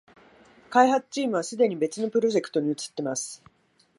開発チームはすでに別のプロジェクトに移ってます